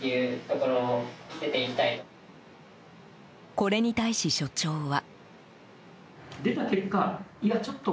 これに対し、所長は。